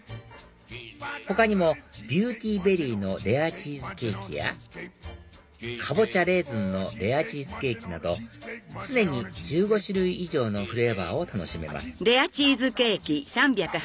他にもビューティーベリーのレアチーズケーキやかぼちゃレーズンのレアチーズケーキなど常に１５種類以上のフレーバーを楽しめますじゃあいよいよ。